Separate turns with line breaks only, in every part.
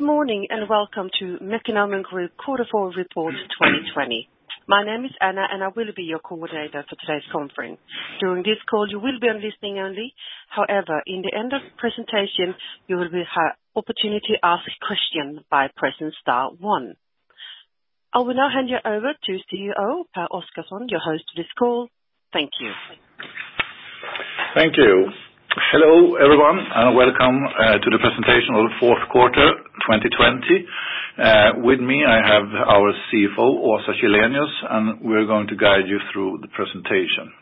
Good morning, and welcome to Mekonomen Group quarter four report 2020. My name is Anna, and I will be your coordinator for today's conference. During this call, you will be on listening only. However, in the end of presentation, you will have opportunity to ask questions by pressing star one. I will now hand you over to CEO Pehr Oscarson, your host this call. Thank you.
Thank you. Hello, everyone, and welcome to the presentation of the fourth quarter 2020. With me, I have our CFO, Åsa Sjölin, and we're going to guide you through the presentation.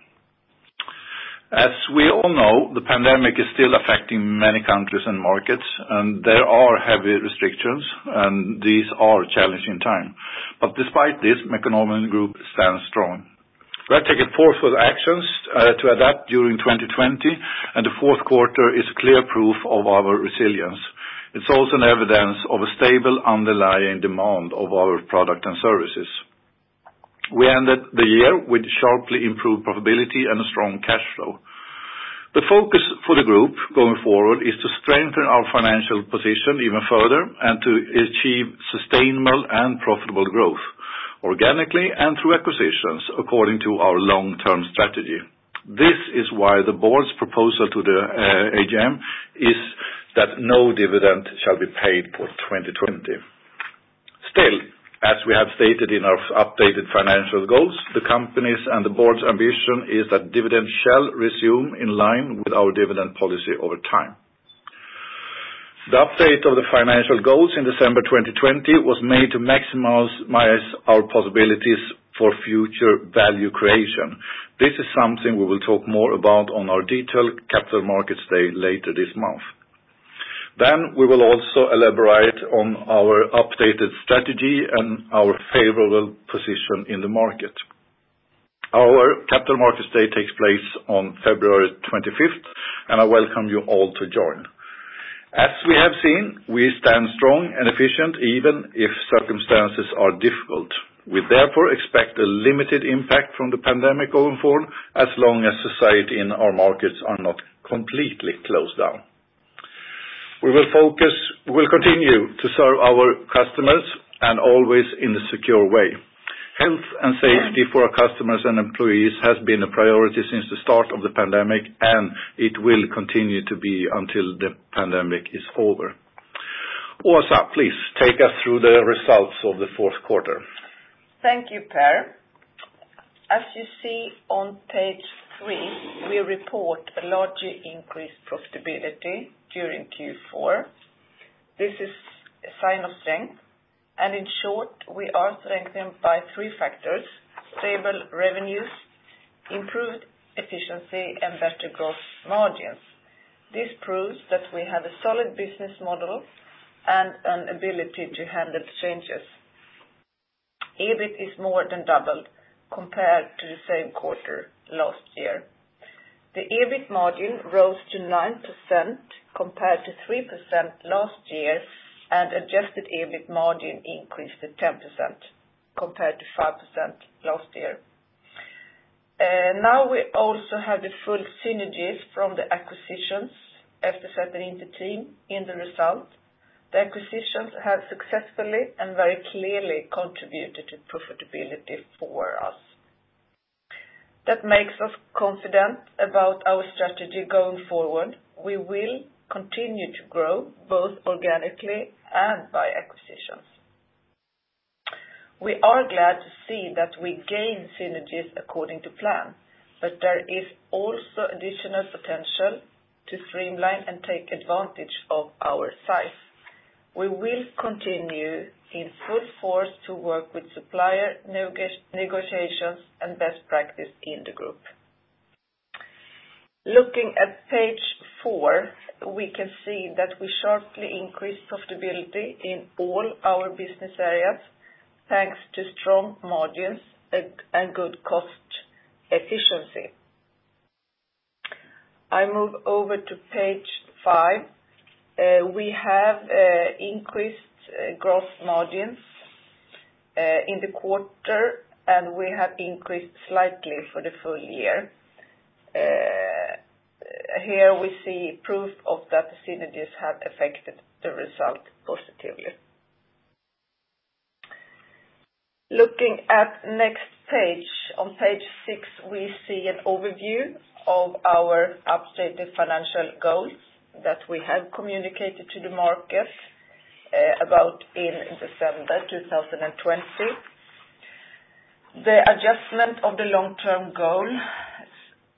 As we all know, the pandemic is still affecting many countries and markets, and there are heavy restrictions, and these are challenging time. Despite this, Mekonomen Group stands strong. We have taken forceful actions to adapt during 2020, and the fourth quarter is clear proof of our resilience. It's also an evidence of a stable underlying demand of our product and services. We ended the year with sharply improved profitability and a strong cash flow. The focus for the group going forward is to strengthen our financial position even further and to achieve sustainable and profitable growth organically and through acquisitions according to our long-term strategy. This is why the Board's proposal to the AGM is that no dividend shall be paid for 2020. Still, as we have stated in our updated financial goals, the company's and the Board's ambition is that dividend shall resume in line with our dividend policy over time. The update of the financial goals in December 2020 was made to maximize our possibilities for future value creation. This is something we will talk more about on our detailed Capital Markets Day later this month. We will also elaborate on our updated strategy and our favorable position in the market. Our Capital Markets Day takes place on February 25th, and I welcome you all to join. As we have seen, we stand strong and efficient even if circumstances are difficult. We therefore expect a limited impact from the pandemic going forward as long as society in our markets are not completely closed down. We will continue to serve our customers and always in a secure way. Health and safety for our customers and employees has been a priority since the start of the pandemic, and it will continue to be until the pandemic is over. Åsa, please take us through the results of the fourth quarter.
Thank you, Pehr. As you see on page three, we report a larger increased profitability during Q4. This is a sign of strength. In short, we are strengthened by three factors: stable revenues, improved efficiency, and better gross margins. This proves that we have a solid business model and an ability to handle changes. EBIT is more than doubled compared to the same quarter last year. The EBIT margin rose to 9% compared to 3% last year, and adjusted EBIT margin increased to 10% compared to 5% last year. We also have the full synergies from the acquisitions after separating the team in the result. The acquisitions have successfully and very clearly contributed to profitability for us. That makes us confident about our strategy going forward. We will continue to grow both organically and by acquisitions. We are glad to see that we gain synergies according to plan, but there is also additional potential to streamline and take advantage of our size. We will continue in full force to work with supplier negotiations and best practice in the group. Looking at page four, we can see that we sharply increased profitability in all our business areas, thanks to strong margins and good cost efficiency. I move over to page five. We have increased gross margins in the quarter, and we have increased slightly for the full year. Here we see proof of that synergies have affected the result positively. Looking at next page, on page six, we see an overview of our updated financial goals that we have communicated to the market about in December 2020. The adjustment of the long-term goal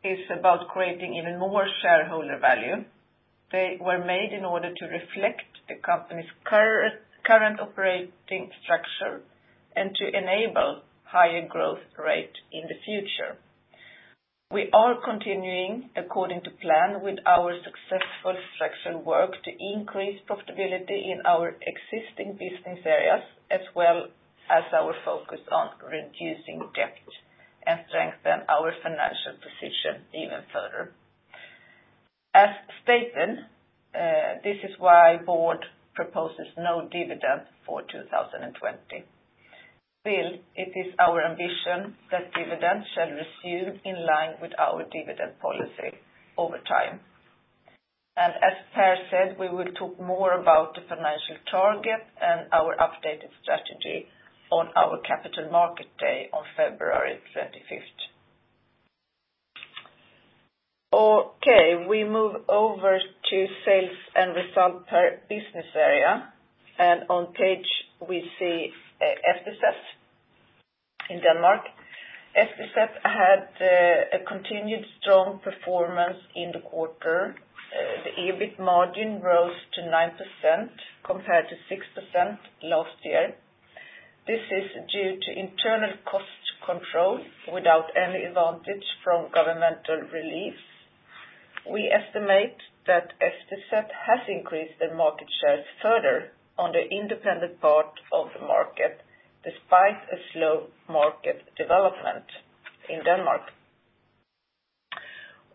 is about creating even more shareholder value. They were made in order to reflect the company's current operating structure and to enable higher growth rate in the future. We are continuing according to plan with our successful structural work to increase profitability in our existing business areas, as well as our focus on reducing debt and strengthen our financial position even further. This is why Board proposes no dividend for 2020. Still, it is our ambition that dividend shall resume in line with our dividend policy over time. As Pehr said, we will talk more about the financial target and our updated strategy on our Capital Market Day on February 25th. Okay, we move over to sales and result per business area. On page, we see FTZ in Denmark. FTZ had a continued strong performance in the quarter. The EBIT margin rose to 9% compared to 6% last year. This is due to internal cost control without any advantage from governmental relief. We estimate that FTZ has increased their market shares further on the independent part of the market, despite a slow market development in Denmark.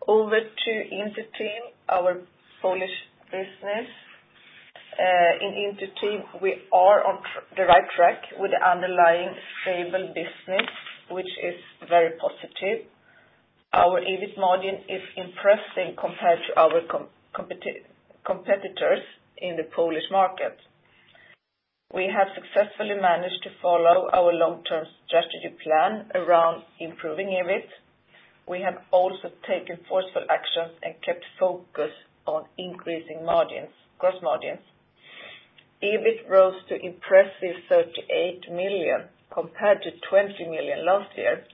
Over to Inter-Team, our Polish business. In Inter-Team, we are on the right track with underlying stable business, which is very positive. Our EBIT margin is impressing compared to our competitors in the Polish market. We have successfully managed to follow our long-term strategy plan around improving EBIT. We have also taken forceful actions and kept focus on increasing gross margins. EBIT rose to impressive 38 million compared to 20 million last year.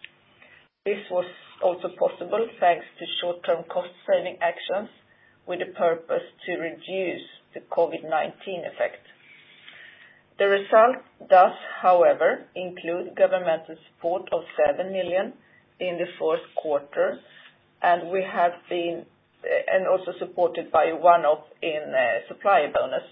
This was also possible thanks to short-term cost saving actions with the purpose to reduce the COVID-19 effect. The result does, however, include governmental support of 7 million in the fourth quarter, and also supported by one-off in supplier bonus.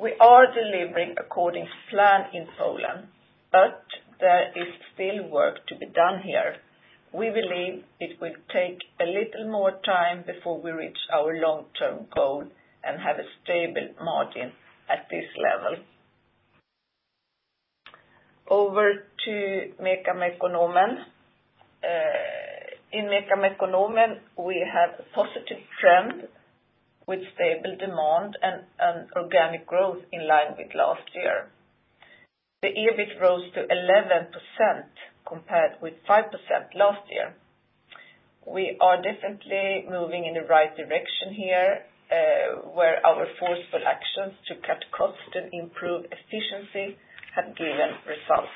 We are delivering according to plan in Poland, but there is still work to be done here. We believe it will take a little more time before we reach our long-term goal and have a stable margin at this level. Over to MECA Mekonomen. In MECA Mekonomen, we have a positive trend with stable demand and an organic growth in line with last year. The EBIT rose to 11% compared with 5% last year. We are definitely moving in the right direction here, where our forceful actions to cut costs and improve efficiency have given results.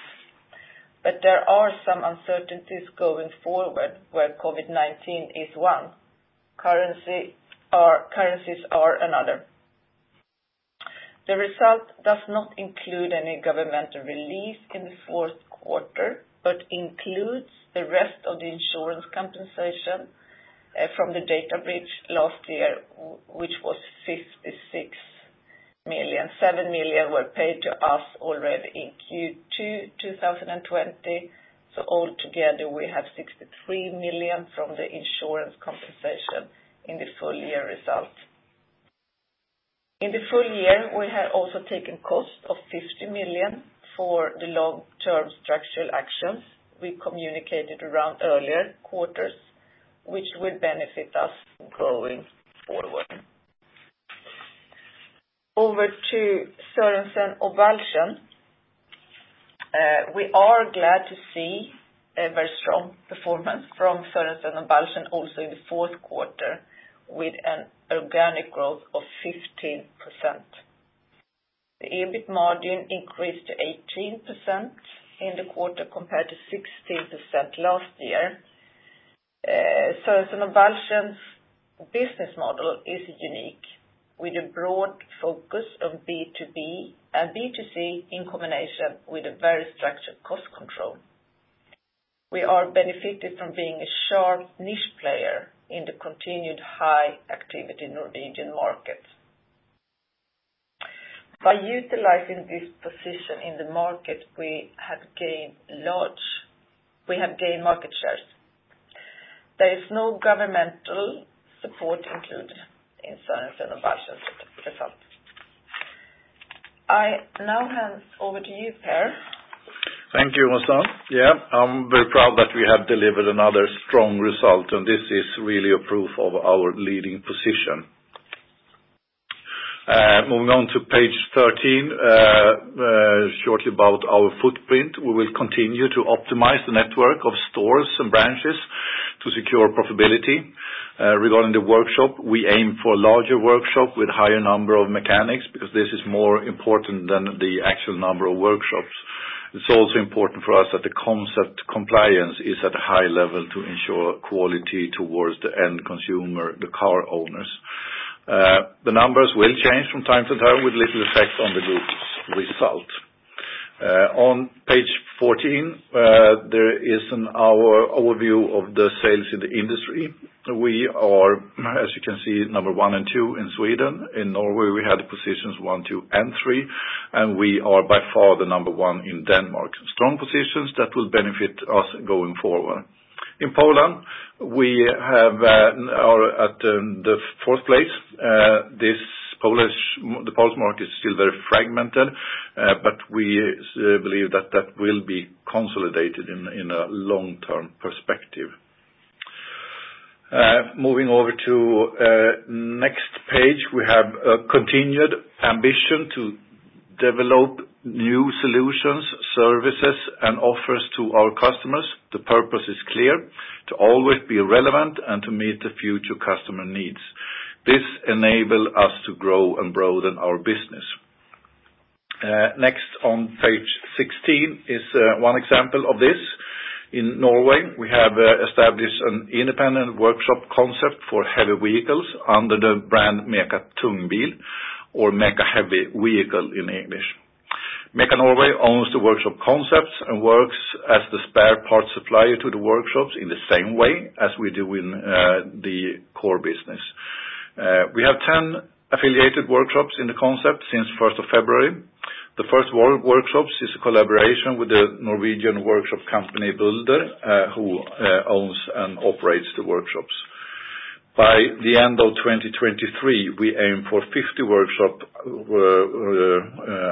There are some uncertainties going forward where COVID-19 is one, currencies are another. The result does not include any governmental relief in the fourth quarter but includes the rest of the insurance compensation from the data breach last year, which was 56 million. 7 million were paid to us already in Q2 2020. Altogether we have 63 million from the insurance compensation in the full year result. In the full year, we have also taken cost of 50 million for the long-term structural actions we communicated around earlier quarters, which will benefit us going forward. Over to Sørensen og Balchen. We are glad to see a very strong performance from Sørensen og Balchen also in the fourth quarter with an organic growth of 15%. The EBIT margin increased to 18% in the quarter compared to 16% last year. Sørensen og Balchen's business model is unique with a broad focus on B2B and B2C in combination with a very structured cost control. We are benefited from being a sharp niche player in the continued high activity in Norwegian markets. By utilizing this position in the market, we have gained market shares. There is no governmental support included in Sørensen og Balchen's result. I now hand over to you, Pehr.
Thank you, Åsa. Yeah, I'm very proud that we have delivered another strong result. This is really a proof of our leading position. Moving on to page 13, shortly about our footprint. We will continue to optimize the network of stores and branches to secure profitability. Regarding the workshop, we aim for a larger workshop with higher number of mechanics because this is more important than the actual number of workshops. It's also important for us that the concept compliance is at a high level to ensure quality towards the end consumer, the car owners. The numbers will change from time to time with little effect on the group's result. On page 14 there is our overview of the sales in the industry. We are, as you can see, number one and two in Sweden. In Norway, we had positions one, two, and three, and we are by far the number one in Denmark. Strong positions that will benefit us going forward. In Poland, we have the fourth place. The Polish market is still fragmented. We believe that will be consolidated in a long-term perspective. Moving over to next page, we have a continued ambition to develop new solutions, services, and offers to our customers. The purpose is clear. To always be relevant and to meet the future customer needs. This enable us to grow and broaden our business. Next on page 16 is one example of this. In Norway, we have established an independent workshop concept for heavy vehicles under the brand MECA Tungbil, or MECA Heavy Vehicle in English. MECA Norway owns the workshop concepts and works as the spare parts supplier to the workshops in the same way as we do in the core business. We have 10 affiliated workshops in the concept since 1st of February. The first workshop is a collaboration with the Norwegian workshop company Bulder, who owns and operates the workshops. By the end of 2023, we aim for 50 workshops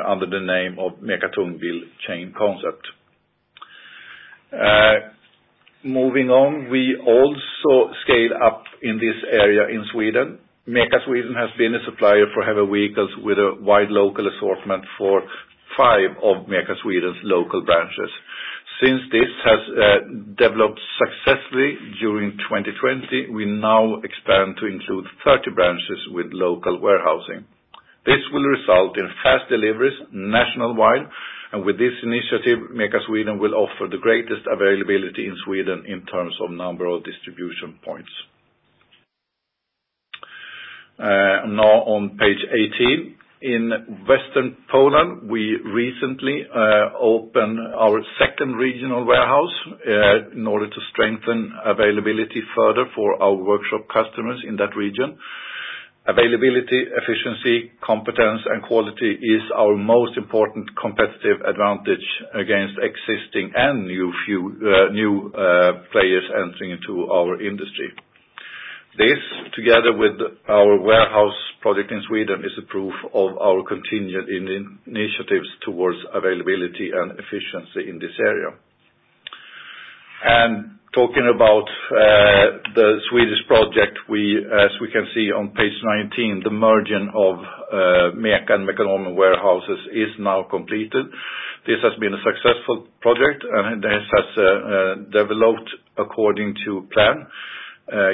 under the name of MECA Tungbil chain concept. Moving on, we also scale up in this area in Sweden. MECA Sweden has been a supplier for heavy vehicles with a wide local assortment for five of MECA Sweden's local branches. Since this has developed successfully during 2020, we now expand to include 30 branches with local warehousing. This will result in fast deliveries nationwide, with this initiative, MECA Sweden will offer the greatest availability in Sweden in terms of number of distribution points. Now on page 18. In Western Poland, we recently opened our second regional warehouse in order to strengthen availability further for our workshop customers in that region. Availability, efficiency, competence, and quality is our most important competitive advantage against existing and new players entering into our industry. This, together with our warehouse project in Sweden, is a proof of our continued initiatives towards availability and efficiency in this area. Talking about the Swedish project, as we can see on page 19, the merging of MECA and Mekonomen warehouses is now completed. This has been a successful project, this has developed according to plan,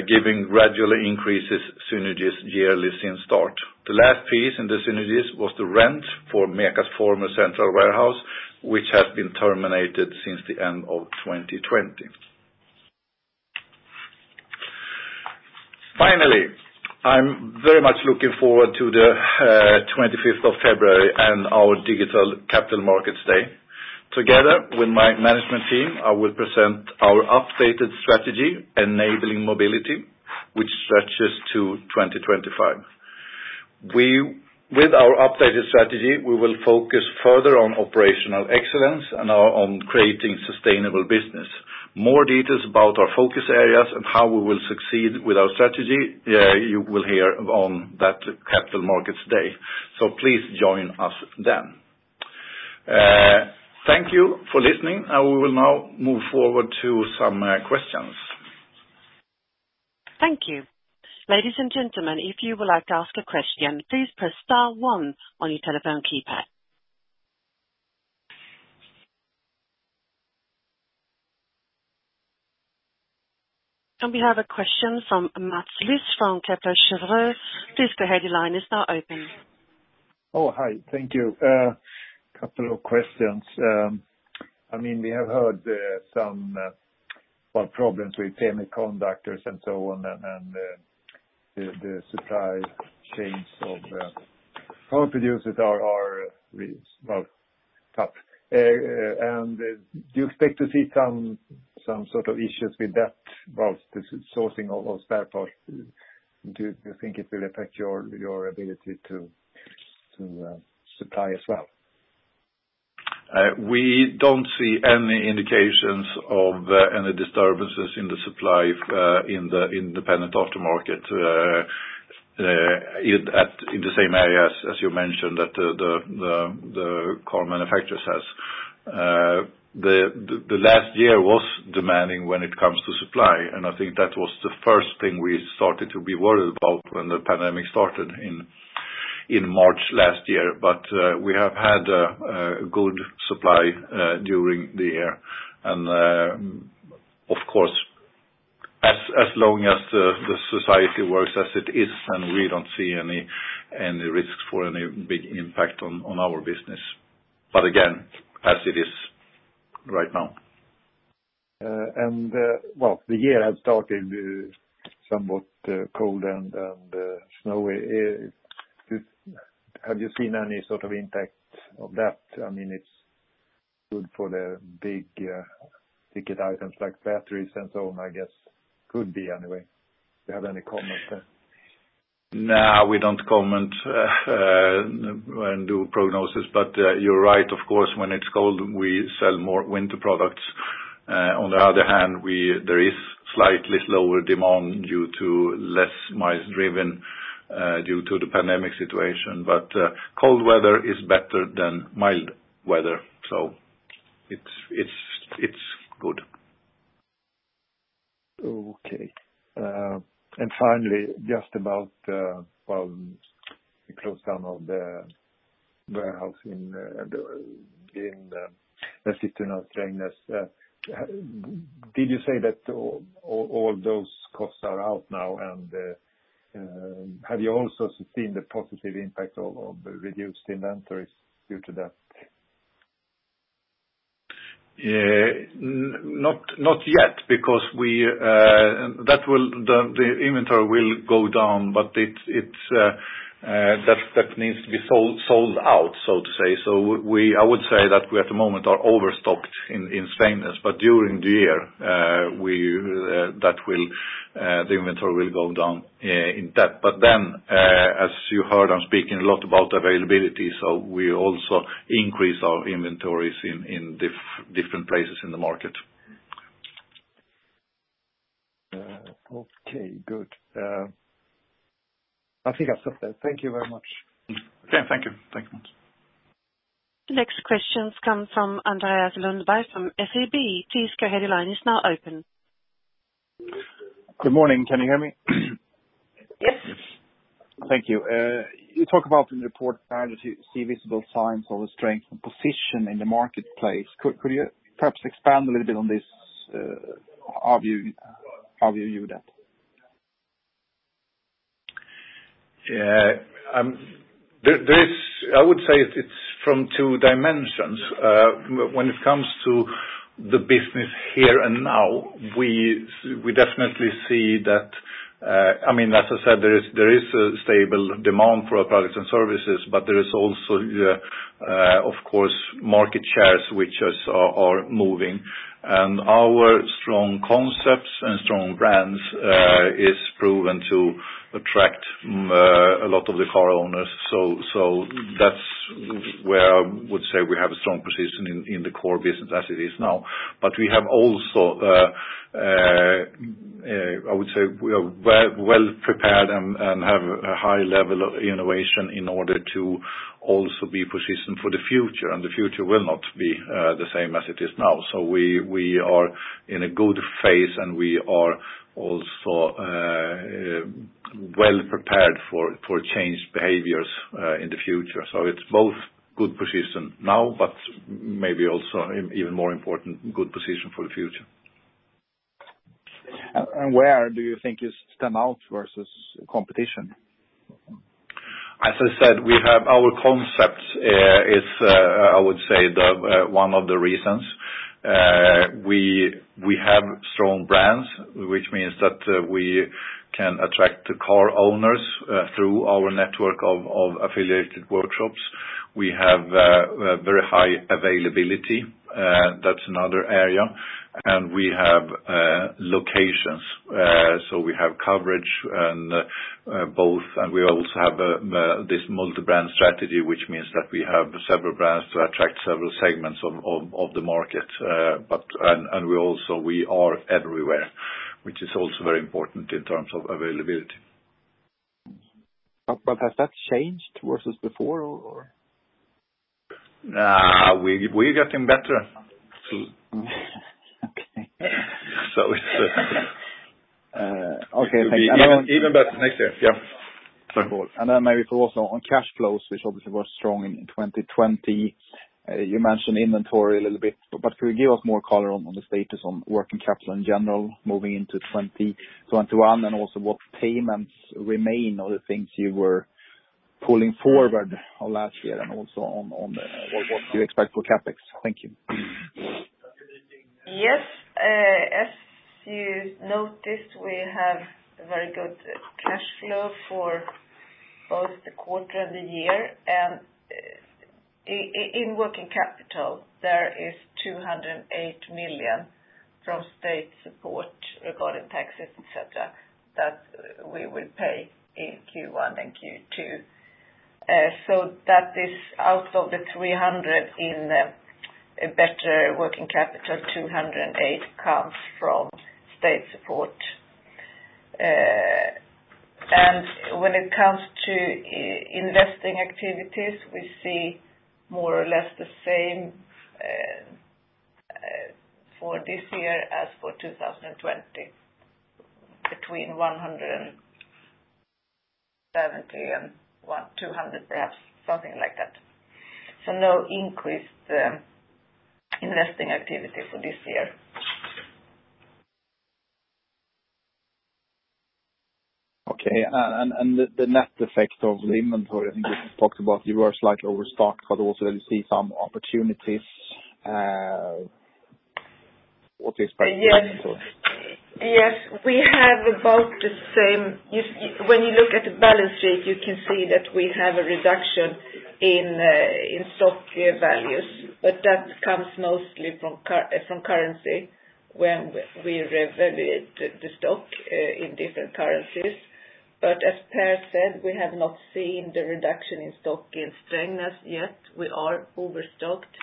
giving gradual increases synergies yearly since start. The last piece in the synergies was the rent for MEKO's former central warehouse, which has been terminated since the end of 2020. I'm very much looking forward to the 25th of February and our digital Capital Markets Day. Together with my management team, I will present our updated strategy, Enabling Mobility, which stretches to 2025. With our updated strategy, we will focus further on operational excellence and on creating sustainable business. More details about our focus areas and how we will succeed with our strategy, you will hear on that Capital Markets Day. Please join us then. Thank you for listening, we will now move forward to some questions.
Thank you. Ladies and gentlemen, if you would like to ask a question, please press star one on your telephone keypad. We have a question from Mats Liss from Kepler Cheuvreux. Please go ahead, your line is now open.
Oh, hi. Thank you. A couple of questions. We have heard some problems with semiconductors and so on, and the supply chains of car producers are really tough. Do you expect to see some sort of issues with that, both the sourcing of spare parts? Do you think it will affect your ability to supply as well?
We don't see any indications of any disturbances in the supply in the independent aftermarket in the same area as you mentioned that the car manufacturers has. The last year was demanding when it comes to supply, and I think that was the first thing we started to be worried about when the pandemic started in March last year. We have had a good supply during the year. Of course, as long as the society works as it is, and we don't see any risks for any big impact on our business. Again, as it is right now.
Well, the year has started somewhat cold and snowy. Have you seen any sort of impact of that? It's good for the big ticket items like batteries and so on, I guess. Could be, anyway. Do you have any comments there?
No, we don't comment when do prognosis, you're right, of course, when it's cold, we sell more winter products. On the other hand, there is slightly lower demand due to less miles driven, due to the pandemic situation. Cold weather is better than mild weather, so it's good.
Okay. Finally, just about the close down of the warehouse in the Sätra, Sweden. Did you say that all those costs are out now and have you also seen the positive impact of the reduced inventories due to that?
Not yet because the inventory will go down, but that needs to be sold out, so to say. I would say that we at the moment are overstocked in Strängnäs, but during the year the inventory will go down in that. As you heard, I'm speaking a lot about availability, so we also increase our inventories in different places in the market.
Okay, good. I think that's it. Thank you very much.
Okay. Thank you.
Next questions come from Andreas Lundberg of SEB. Please go ahead, your line is now open.
Good morning. Can you hear me?
Yes.
Thank you. You talk about in the report, manage to see visible signs of a strength and position in the marketplace. Could you perhaps expand a little bit on this? How do you view that?
I would say it's from two dimensions. When it comes to the business here and now, we definitely see, as I said, there is a stable demand for our products and services, but there is also, of course, market shares which are moving. Our strong concepts and strong brands is proven to attract a lot of the car owners. That's where I would say we have a strong position in the core business as it is now. We have also, I would say we are well prepared and have a high level of innovation in order to also be positioned for the future, and the future will not be the same as it is now. We are in a good phase and we are also well prepared for changed behaviors in the future. It's both good position now, but maybe also even more important, good position for the future.
Where do you think you stand out versus competition?
As I said, our concepts is I would say is one of the reasons. We have strong brands, which means that we can attract the car owners through our network of affiliated workshops. We have very high availability, that's another area. We have locations. We have coverage and both, and we also have this multi-brand strategy, which means that we have several brands to attract several segments of the market. We also are everywhere, which is also very important in terms of availability.
Has that changed versus before or?
No. We're getting better.
Okay.
So it's-
Okay. Thank you.
Even better next year. Yeah.
Maybe also on cash flows, which obviously were strong in 2020. You mentioned inventory a little bit, but could you give us more color on the status on working capital in general moving into 2021 and also what payments remain or the things you were pulling forward on last year and also on what you expect for CapEx? Thank you.
Yes. As you noticed, we have a very good cash flow for both the quarter and the year. In working capital, there is 208 million from state support regarding taxes, et cetera, that we will pay in Q1 and Q2. That is out of the 300 million in better working capital, 208 million comes from state support. When it comes to investing activities, we see more or less the same for this year as for 2020, between 170 million and 200 million perhaps, something like that. No increased investing activity for this year.
Okay. The net effect of the inventory, I think you talked about you were slightly overstocked, but also you see some opportunities. What is?
Yes. We have about the same. When you look at the balance sheet, you can see that we have a reduction in stock values. That comes mostly from currency when we revaluate the stock in different currencies. As Pehr said, we have not seen the reduction in stock in Strängnäs yet. We are overstocked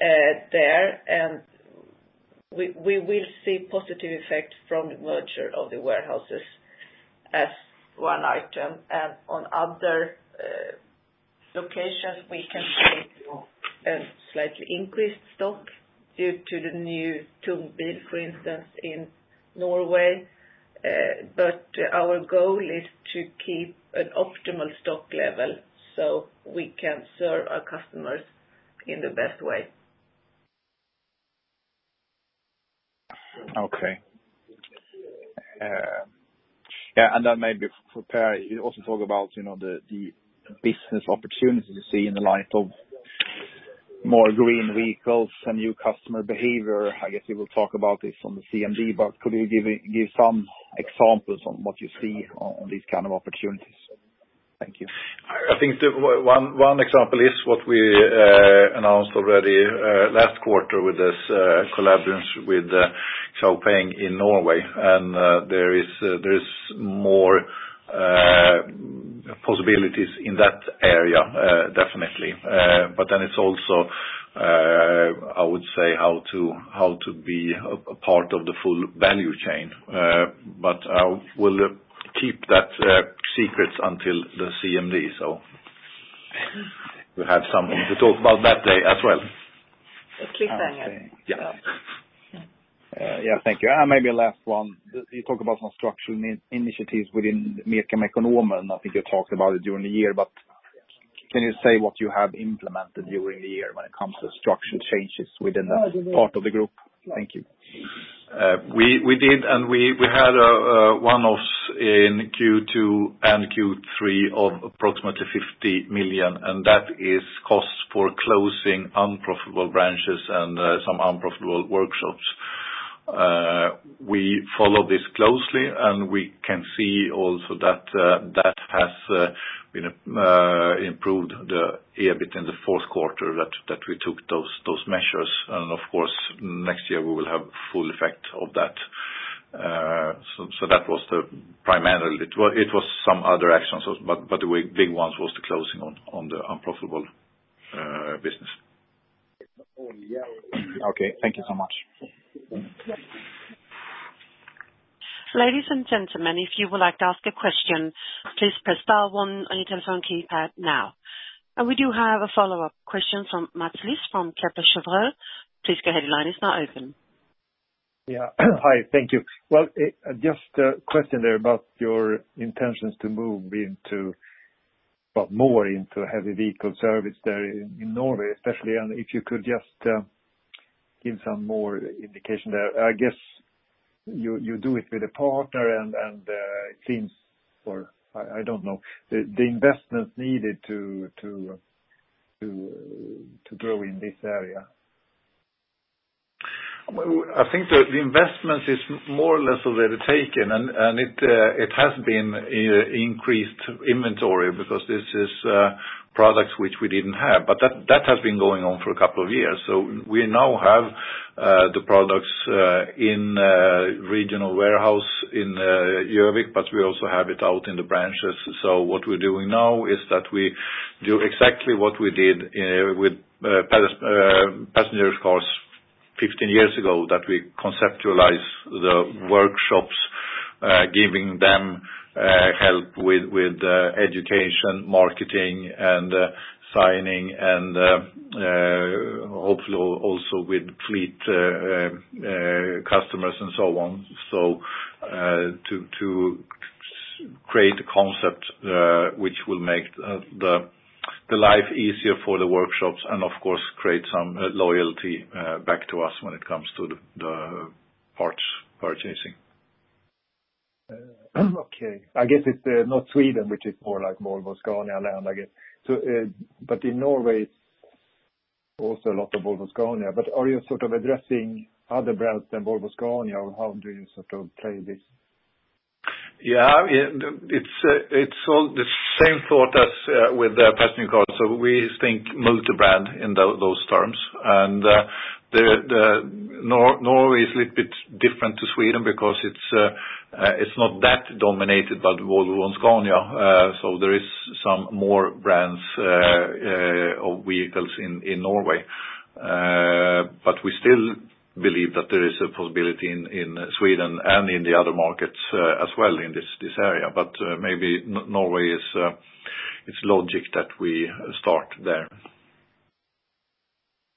there, and we will see positive effect from the merger of the warehouses as one item, and on other locations, we can see a slightly increased stock due to the new Tungbil, for instance, in Norway. Our goal is to keep an optimal stock level so we can serve our customers in the best way.
Okay. Maybe for Pehr, you also talk about the business opportunity you see in the light of more green vehicles and new customer behavior. I guess you will talk about this on the CMD, but could you give some examples on what you see on these kind of opportunities? Thank you.
I think one example is what we announced already last quarter with this collaborations with ChargePoint in Norway. There is more possibilities in that area, definitely. It's also, I would say, how to be a part of the full value chain. I will keep that secret until the CMD. We have something to talk about that day as well.
Please hang on.
Okay.
Yeah.
Yeah. Thank you. Maybe a last one. You talk about some structural initiatives within Mekonomen. I think you talked about it during the year, but can you say what you have implemented during the year when it comes to structure changes within that part of the group? Thank you.
We did, we had one of in Q2 and Q3 of approximately 50 million, and that is cost for closing unprofitable branches and some unprofitable workshops. We follow this closely, we can see also that has improved the EBIT in the fourth quarter that we took those measures. Of course, next year we will have full effect of that. That was primarily it. It was some other actions, but the big ones was the closing on the unprofitable business.
Okay. Thank you so much.
We do have a follow-up question from Mats Liss from Kepler Cheuvreux.
Yeah. Hi. Thank you. Well, just a question there about your intentions to move into more heavy vehicle service there in Norway, especially. If you could just give some more indication there. I guess you do it with a partner and it seems, or I don't know, the investments needed to grow in this area.
I think the investment is more or less already taken, and it has been increased inventory because this is products which we didn't have. That has been going on for a couple of years. We now have the products in regional warehouse in Gjøvik, but we also have it out in the branches. What we're doing now is that we do exactly what we did with passenger cars 15 years ago, that we conceptualize the workshops, giving them help with education, marketing and signage, and hopefully also with fleet customers and so on. To create a concept which will make the life easier for the workshops and, of course, create some loyalty back to us when it comes to the parts purchasing.
Okay. I guess it's not Sweden, which is more like Volvo Scania land, I guess. In Norway, also a lot of Volvo Scania. Are you sort of addressing other brands than Volvo Scania, or how do you sort of play this?
Yeah. It's all the same thought as with the passenger cars. We think multi-brand in those terms. Norway is a little bit different to Sweden because it's not that dominated by the Volvo and Scania. There is some more brands of vehicles in Norway. We still believe that there is a possibility in Sweden and in the other markets as well in this area. Maybe Norway is logic that we start there.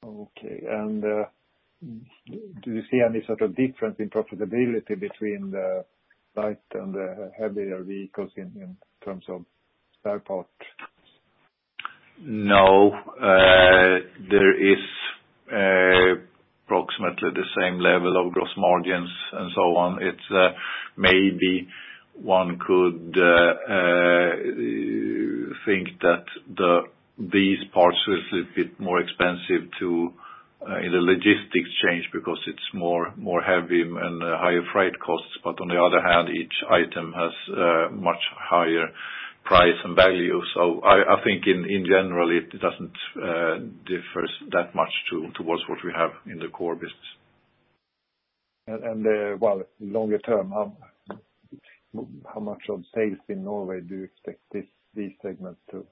Okay. Do you see any sort of difference in profitability between the light and the heavier vehicles in terms of spare parts?
No. There is approximately the same level of gross margins and so on. Maybe one could think that these parts will be a bit more expensive in the logistics chain because it's more heavy and higher freight costs. On the other hand, each item has a much higher price and value. I think in general, it doesn't differ that much towards what we have in the core business.
Well, longer term, how much of sales in Norway do you expect this segment to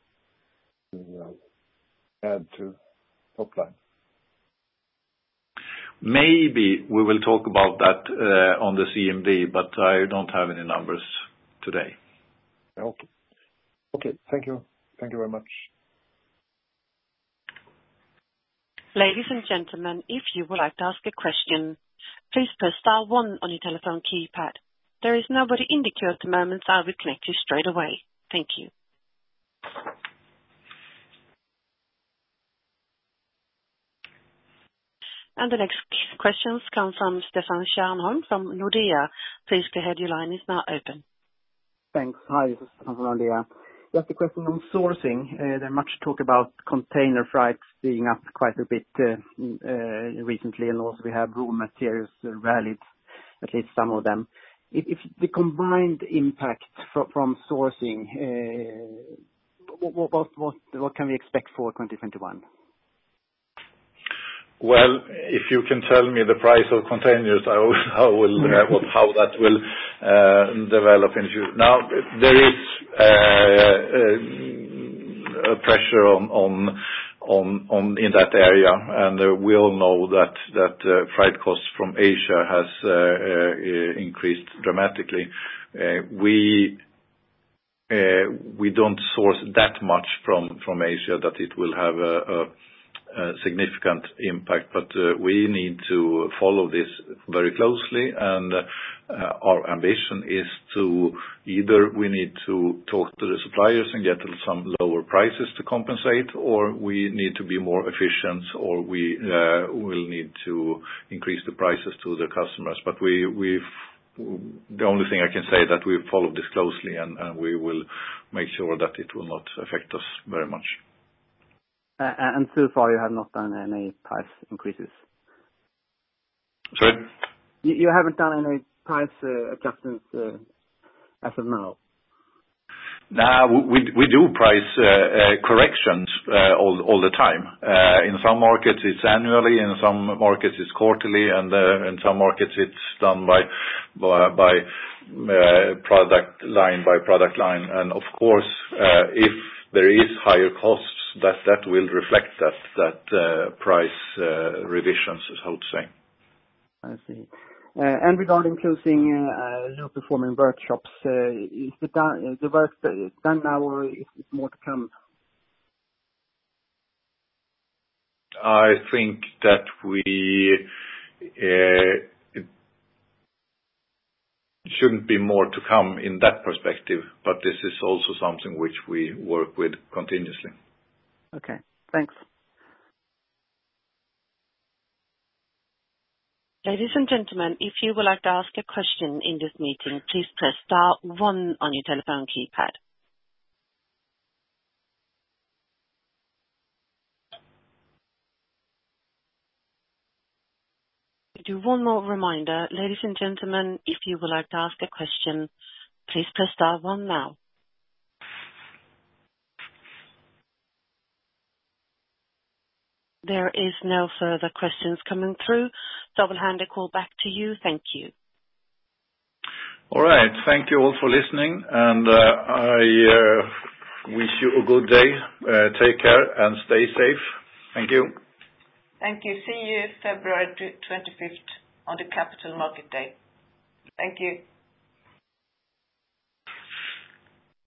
add to topline?
Maybe we will talk about that on the CMD, but I don't have any numbers today.
Okay. Thank you. Thank you very much.
Ladies and gentlemen, if you would like to ask a question, please press star one on your telephone keypad. There is nobody in the queue at the moment. I will connect you straight away. Thank you. The next questions come from Stefan Stjernholm from Nordea. Please go ahead, your line is now open.
Thanks. Hi, this is Stefan from Nordea. Just a question on sourcing. There are much talk about container freight being up quite a bit recently, and also we have raw materials rallied, at least some of them. If the combined impact from sourcing, what can we expect for 2021?
Well, if you can tell me the price of containers, I will tell how that will develop in future. There is pressure in that area, we all know that freight costs from Asia has increased dramatically. We don't source that much from Asia that it will have a significant impact, we need to follow this very closely and our ambition is to either we need to talk to the suppliers and get some lower prices to compensate, or we need to be more efficient, or we will need to increase the prices to the customers. The only thing I can say that we follow this closely, we will make sure that it will not affect us very much.
So far, you have not done any price increases?
Sorry?
You haven't done any price adjustments as of now?
No, we do price corrections all the time. In some markets, it's annually, in some markets, it's quarterly, and in some markets, it's done by product line. Of course, if there is higher costs, that will reflect that price revisions.
I see. Regarding closing low performing workshops, is the worst done now or is it more to come?
I think that it shouldn't be more to come in that perspective, but this is also something which we work with continuously.
Okay, thanks.
Ladies and gentlemen, if you would like to ask a question in this meeting, please press star one on your telephone keypad. We do one more reminder. Ladies and gentlemen, if you would like to ask a question, please press star one now. There is no further questions coming through. I will hand the call back to you. Thank you.
All right. Thank you all for listening, and I wish you a good day. Take care and stay safe. Thank you.
Thank you. See you February 25th on the Capital Market Day. Thank you.